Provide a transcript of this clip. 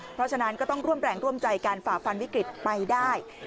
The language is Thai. เพราะฉะนั้นก็ต้องร่วมแรงร่วมใจการฝ่าฟันวิกฤตไปได้